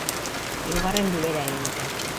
Hirugarren bilera egin dute.